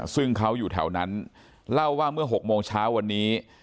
ซึ่งเขาอยู่แถวนั้นเล่าว่าเมื่อ๖โมงเช้าวันนี้